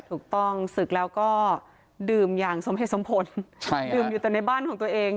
ถูกต้องศึกแล้วก็ดื่มอย่างสมเหตุสมผลดื่มอยู่แต่ในบ้านของตัวเอง